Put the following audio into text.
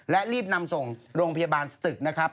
และรีบนำส่งโรงพยาบาลสตึกนะครับ